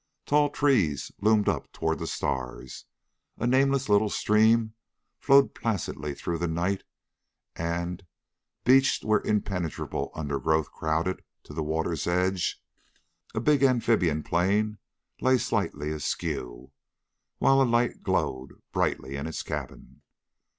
Tall trees loomed up toward the stars. A nameless little stream flowed placidly through the night and, beached where impenetrable undergrowth crowded to the water's edge, a big amphibian plane lay slightly askew, while a light glowed brightly in its cabin.